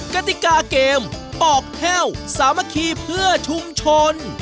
กติกาเกมปอกแห้วสามัคคีเพื่อชุมชน